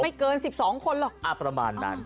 ไม่เกิน๑๒คนเหรอ